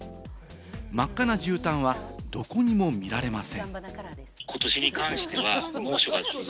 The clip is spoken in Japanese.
真っ赤なじゅうたんはどこにも見られません。